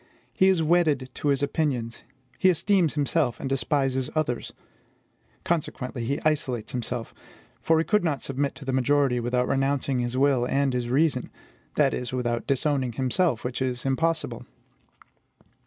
He is wedded to his opinions; he esteems himself, and despises others. Consequently, he isolates himself; for he could not submit to the majority without renouncing his will and his reason, that is, without disowning himself, which is impossible.